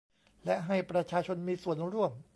และให้ประชาชนมีส่วนร่วม